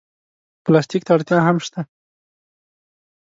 پلاستيک ته اړتیا هم شته.